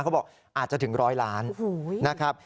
เขาบอกอาจจะถึง๑๐๐ล้านนะครับ